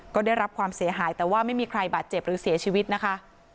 ก็ได้รับความเสียหายแต่ว่าไม่มีใครบาดเจ็บหรือเสียชีวิตนะคะ